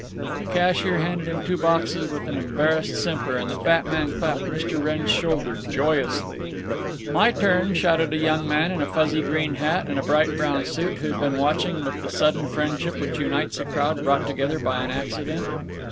The cashier handed him two boxes, with an embarrassed simper, and the fat man clapped Mr. Wrenn's shoulder joyously. "My turn!" shouted a young man in a fuzzy green hat and a bright brown suit, who had been watching with the sudden friendship which unites a crowd brought together by an accident.